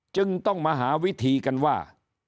จึงต้องมาหาวิธีกันว่า